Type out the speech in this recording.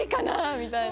みたいな。